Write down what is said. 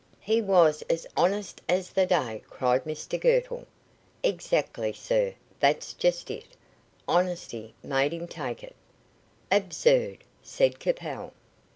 "He was as honest as the day," cried Mr Girtle. "Exactly, sir, that's just it. Honesty made him take it." "Absurd?" said Capel.